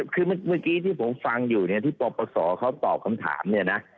คือเมื่อกี้ที่ผมฟังอยู่เนี่ยที่ปปศเขาตอบคำถามเนี่ยนะ